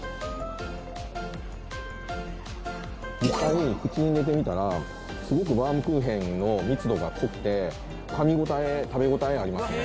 実際口に入れてみたらすごくバウムクーヘンの密度が濃くてかみ応え食べ応えありますね